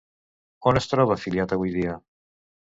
On es troba afiliat avui dia?